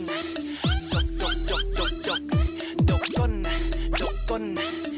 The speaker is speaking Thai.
อ้ายดกก้อนน่ะอ่ะดกก้อนน่ะ